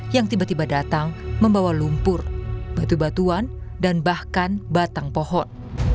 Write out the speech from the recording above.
yang tiba tiba datang membawa lumpur batu batuan dan bahkan batang pohon